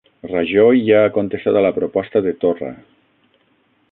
Rajoy ja ha contestat a la proposta de Torra